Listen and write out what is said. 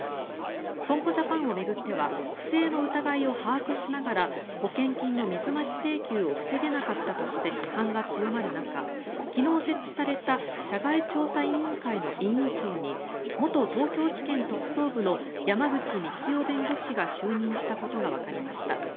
損保ジャパンを巡っては不正の疑いを把握しながら保険金の水増し請求を防げなかったとして批判が強まる中、昨日設置された社外調査委員会の委員長に元東京地検特捜部の山口幹生弁護士が就任したことがわかりました。